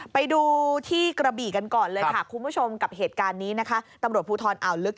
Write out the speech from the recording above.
ไปดูที่กระบี่กันก่อนเลยค่ะคุณผู้ชมกับเหตุการณ์นี้นะคะตำรวจภูทรอ่าวลึก